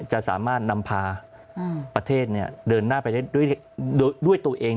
จะสามารถนำพาประเทศเดินหน้าไปได้ด้วยตัวเอง